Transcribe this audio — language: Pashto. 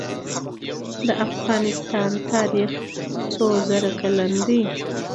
د افغانستان تاریخ څو زره کلن دی؟